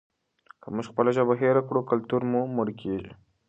که موږ خپله ژبه هېره کړو کلتور مو مړ کیږي.